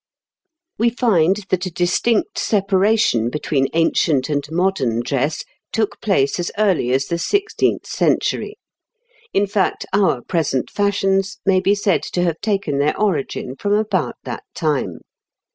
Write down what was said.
We find that a distinct separation between ancient and modern dress took place as early as the sixteenth century; in fact, our present fashions may be said to have taken their origin from about that time.